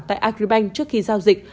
tại agribank trước khi giao dịch